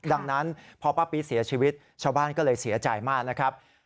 ดังนั้นพอป้าปี๊เสียชีวิตชาวบ้านก็เลยเสียใจมากนะครับ